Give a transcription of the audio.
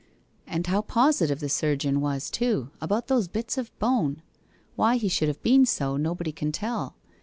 And how positive the surgeon was too, about those bits of bone! Why he should have been so, nobody can tell.